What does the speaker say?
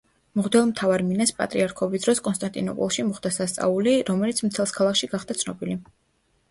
მღვდელმთავარ მინას პატრიარქობის დროს კონსტანტინოპოლში მოხდა სასწაული, რომელიც მთელს ქალაქში გახდა ცნობილი.